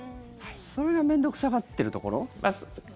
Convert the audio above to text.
それが面倒臭がってるところ？